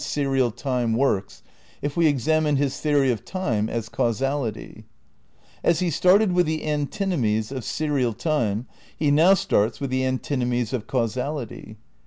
The same. IV THE CRITICAL PREPARATIONS 151 time works if we examine his theory of time as caus ality. As he started with the antinomies of serial time, he now starts with the antinomies of causality.